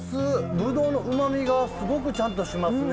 ブドウのうまみがすごくちゃんとしますね。